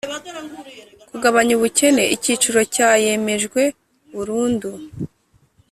Kugabanya ubukene icyiciro cya yemejwe burundu